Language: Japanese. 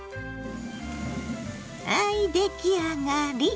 はい出来上がり！